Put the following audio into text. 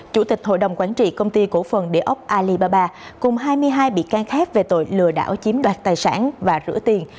chủ tịch hội đồng quản trị công ty cổ phần địa ốc alibaba cùng hai mươi hai bị can khác về tội lừa đảo chiếm đoạt tài sản và rửa tiền